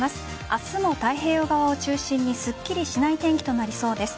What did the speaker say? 明日も太平洋側を中心にすっきりしない天気となりそうです。